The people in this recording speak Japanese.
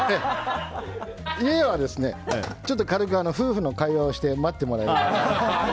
家は軽く夫婦の会話をして待ってもらえれば。